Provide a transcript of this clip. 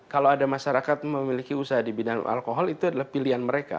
kalau ada masyarakat memiliki usaha di bidang alkohol itu adalah pilihan mereka